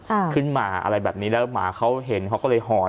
อ่าขึ้นมาอะไรแบบนี้แล้วหมาเขาเห็นเขาก็เลยหอน